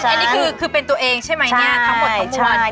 อันนี้คือเป็นตัวเองใช่ไหมเนี่ยทั้งหมดทั้งมวล